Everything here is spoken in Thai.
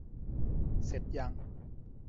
เสร็จยัง